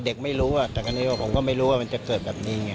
เด็กไม่รู้แต่อันนี้ผมก็ไม่รู้ว่ามันจะเกิดแบบนี้ไง